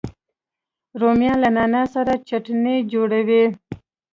رومیان له نعنا سره چټني جوړوي